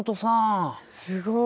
すごい。